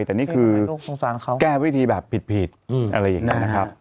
แต่นี่คือแก้วิธีแบบผิดอะไรอย่างนี้นะครับ